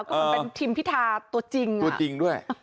ก็เป็นทิมพิธาตัวจริง